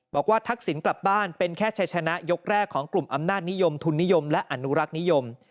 ทักษิณกลับบ้านเป็นแค่ชัยชนะยกแรกของกลุ่มอำนาจนิยมทุนนิยมและอนุรักษ์นิยม